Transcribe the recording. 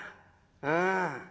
うん。